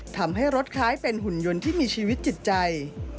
ทำให้รถคล้ายเป็นหุ่นยนต์ที่มีชีวิตจิตใจ